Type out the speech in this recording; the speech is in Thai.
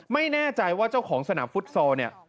ไม่แน่ใจว่าเจ้าของสนามฟุตซอลเนี่ย